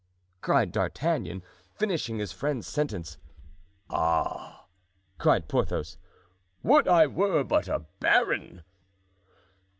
cried D'Artagnan, finishing his friend's sentence. "Ah!" cried Porthos; "would I were but a baron!"